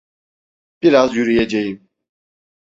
Biraz yürüyeceğim.